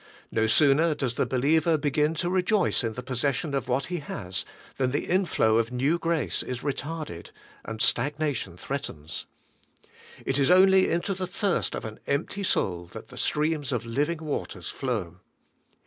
No sooner does the believer begin to rejoice in the posses sion of what he has, than the inflow of new grace is retarded, and stagnation threatens. It is only into the thirst of an empty soul that the streams of living waters flow.